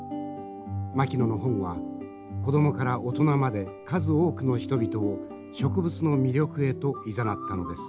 牧野の本は子供から大人まで数多くの人々を植物の魅力へといざなったのです。